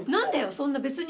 そんな別に。